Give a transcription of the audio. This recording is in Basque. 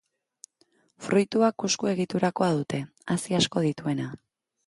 Fruitua kusku egiturakoa dute, hazi asko dituena.